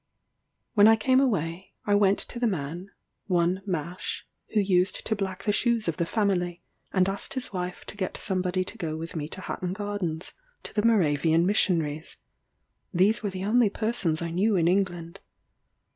When I came away, I went to the man (one Mash) who used to black the shoes of the family, and asked his wife to get somebody to go with me to Hatton Garden to the Moravian Missionaries: these were the only persons I knew in England.